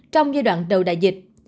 trong giai đoạn đầu đại dịch